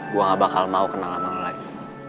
gue gak bakal mau kenal sama lagi